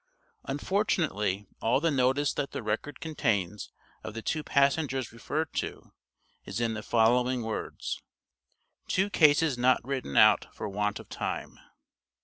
Unfortunately all the notice that the record contains of the two passengers referred to, is in the following words: "Two cases not written out for want of time."